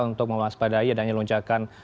untuk mewaspadai adanya lonjakan